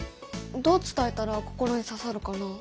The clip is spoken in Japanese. どう伝えたら心にささるかな？